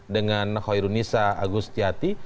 dengan hoirunisa agustyati